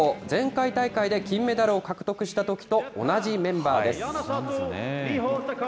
前回大会で金メダルを獲得したときと同じメンバーです。